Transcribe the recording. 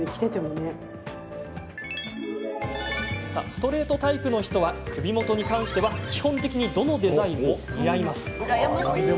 ストレートタイプの人は首元に関しては基本的にどのデザインも似合います。